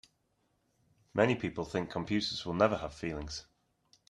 Many people think computers will never have feelings.